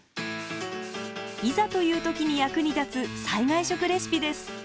いざという時に役に立つ災害食レシピです。